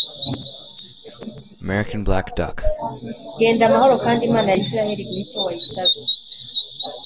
genda amahoro kandi imana ya israheli iguhe icyo wayisabye